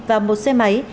và một xe máy